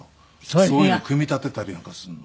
そういうの組み立てたりなんかするの。